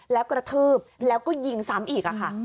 แล้วกระทืบแล้วก็ยิงซ้ำอีกค่ะ